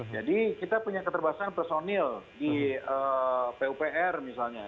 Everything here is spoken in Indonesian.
jadi kita punya keterbatasan personil di pupr misalnya